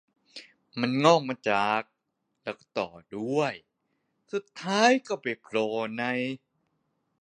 มันงอกมาจาก แล้วก็ต่อด้วย สุดท้ายก็ไปโผล่ใน